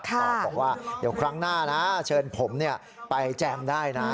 ตอบบอกว่าเดี๋ยวครั้งหน้านะเชิญผมไปแจมได้นะ